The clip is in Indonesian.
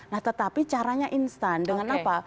nah tetapi caranya instan dengan apa